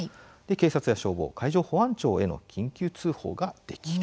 警察や消防海上保安庁への緊急通報ができる。